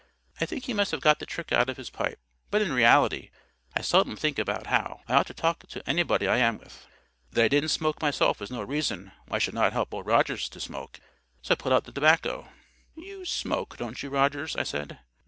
I think he must have got the trick out of his pipe. But in reality, I seldom think about how I ought to talk to anybody I am with. That I didn't smoke myself was no reason why I should not help Old Rogers to smoke. So I pulled out the tobacco. "You smoke, don't you, Rogers?" I said.